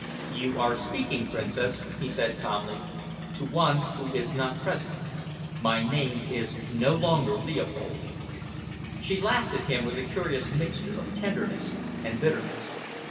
"You are speaking, Princess," he said calmly, "to one who is not present. My name is no longer Leopold." She laughed at him with a curious mixture of tenderness and bitterness.